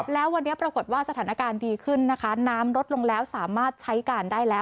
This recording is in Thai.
แล้ววันนี้ปรากฏว่าสถานการณ์ดีขึ้นนะคะน้ำลดลงแล้วสามารถใช้การได้แล้ว